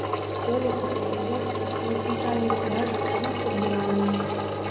Сёлета, здаецца, на цэнтральным пляжы, шмат прыбіральняў.